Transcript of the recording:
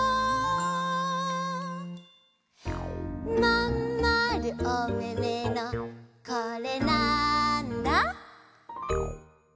「まんまるおめめのこれ、なんだ？」